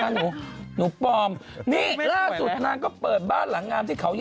ไอนี้เราก็เพิ่งอธิบาย